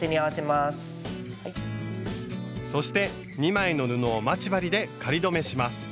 そして２枚の布を待ち針で仮留めします。